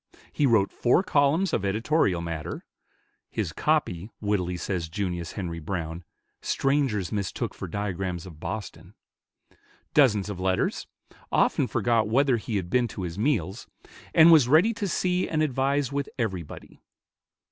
He wrote four columns of editorial matter (his copy, wittily says Junius Henri Browne, "strangers mistook for diagrams of Boston"), dozens of letters, often forgot whether he had been to his meals, and was ready to see and advise with everybody.